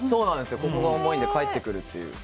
ここが重いので返ってくるっていう。